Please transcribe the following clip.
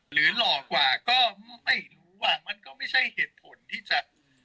หล่อกว่าก็ไม่รู้อ่ะมันก็ไม่ใช่เหตุผลที่จะ